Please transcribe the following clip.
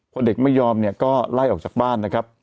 คนเด็กไม่ยอมก็ไล่ออกจากบ้าน